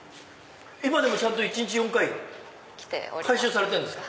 今でもちゃんと１日４回回収されてんですか